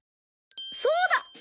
そうだ！